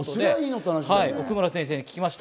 奥村先生に聞きました。